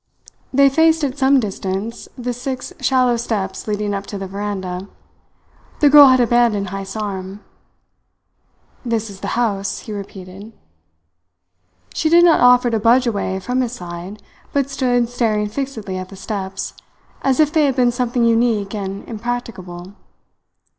They faced, at some distance, the six shallow steps leading up to the veranda. The girl had abandoned Heyst's arm. "This is the house," he repeated. She did not offer to budge away from his side, but stood staring fixedly at the steps, as if they had been something unique and impracticable.